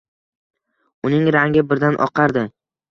Uning rangi birdan oqardi.